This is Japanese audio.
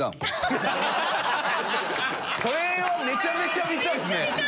それはめちゃめちゃ見たいですね。